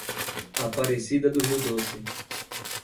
Aparecida do Rio Doce